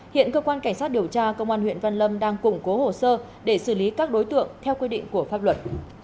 hiện cơ quan cảnh sát điều tra công an huyện văn lâm đang củng cố hồ sơ để xử lý các đối tượng theo quy định của pháp luật